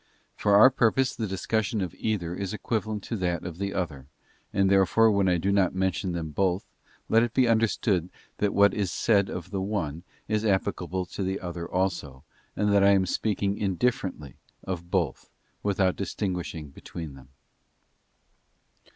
For our purpose the discussion of either is equivalent to that of the other, and therefore when I do not mention them both let it be understood that what is said of the one is applicable to the other also, and that I am speaking indifferently of both, without distinguishing between them.